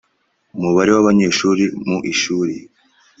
umubare w’abanyeshuri mu ishuri